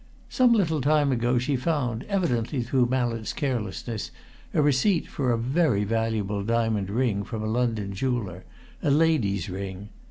Some little time ago she found, evidently through Mallett's carelessness, a receipt for a very valuable diamond ring from a London jeweller, a lady's ring.